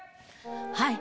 はい。